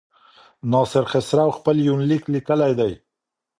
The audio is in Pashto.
ناصر خسرو خپل يونليک ليکلی دی.